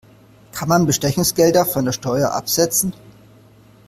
Kann man Bestechungsgelder von der Steuer absetzen?